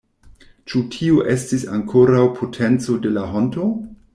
Ĉu tio estis ankoraŭ potenco de la honto?